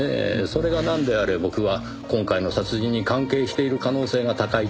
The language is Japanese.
それがなんであれ僕は今回の殺人に関係している可能性が高いと思っています。